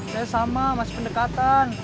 saya sama masih pendekatan